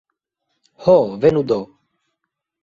Ho, venu do!